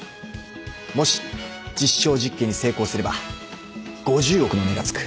もし実証実験に成功すれば５０億の値がつく。